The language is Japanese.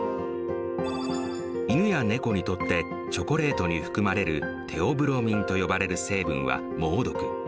犬や猫にとって、チョコレートに含まれるテオブロミンと呼ばれる成分は猛毒。